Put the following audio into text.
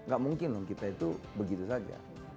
gak mungkin dong kita itu begitu saja